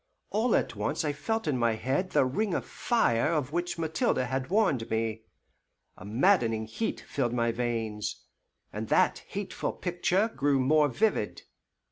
All at once I felt in my head "the ring of fire" of which Mathilde had warned me, a maddening heat filled my veins, and that hateful picture grew more vivid.